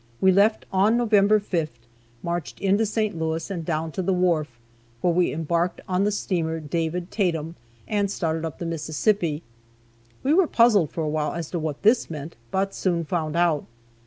We left on November 5th, marched into St. Louis, and down to the wharf, where we embarked on the steamer "David Tatum," and started up the Mississippi. We were puzzled for a while as to what this meant, but soon found out.